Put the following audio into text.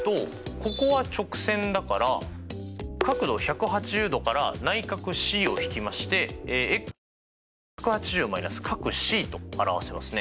ここは直線だから角度１８０°から内角ｃを引きましてと表せますね。